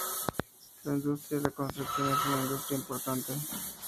La industria de la construcción es una industria importante.